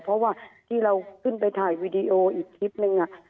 เพราะว่าที่เราขึ้นไปถ่ายวีดีโออีกคลิปนึง